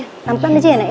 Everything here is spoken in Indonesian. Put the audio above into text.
pelan pelan aja ya nak